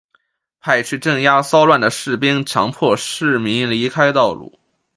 派去镇压骚乱的士兵强迫市民离开道路。